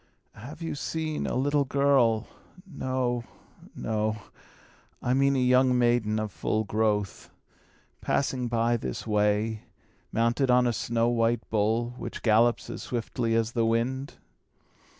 "Have you seen a little girl no, no, I mean a young maiden of full growth passing by this way, mounted on a snow white bull, which gallops as swiftly as the wind?"